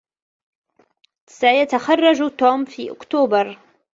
سيتخرج توم في أكتوبر.